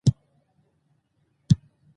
زده کړه نجونو ته د پریزنټیشن مهارت ورکوي.